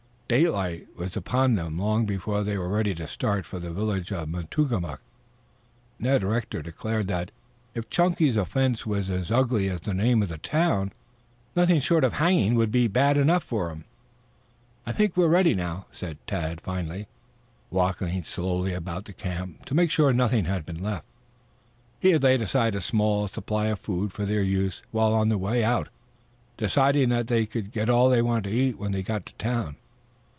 Daylight was upon them long before they were ready to start for the village of Matungamook. Ned Rector declared that, if Chunky's offense was as ugly as the name of the town, nothing short of hanging would be bad enough for him. "I think we are ready now," said Tad finally, walking slowly about the camp to make sure that nothing had been left. He had laid aside a small supply of food for their use while on the way out, deciding that they could get all they wanted to eat when they got to the town.